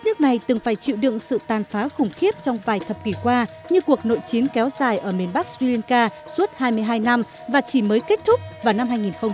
nước này từng phải chịu đựng sự tàn phá khủng khiếp trong vài thập kỷ qua như cuộc nội chiến kéo dài ở miền bắc sri lanka suốt hai mươi hai năm và chỉ mới kết thúc vào năm hai nghìn một mươi